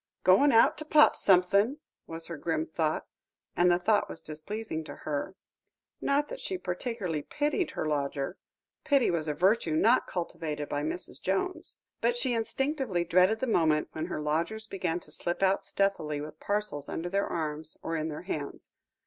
"Goin' out to pop somethin'," was her grim thought, and the thought was displeasing to her. Not that she particularly pitied her lodger. Pity was a virtue not cultivated by Mrs. Jones. But she instinctively dreaded the moment when her lodgers began to slip out stealthily with parcels under their arms, or in their hands.